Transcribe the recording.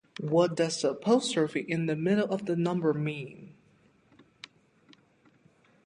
What does the apostrophe in the middle of the number mean?